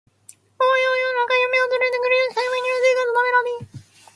おはよう世の中夢を連れて繰り返した夢には生活のメロディ